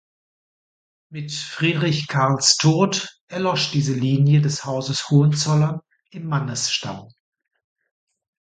Mit Friedrich Karls Tod erlosch diese Linie des Hauses Hohenzollern im Mannesstamm.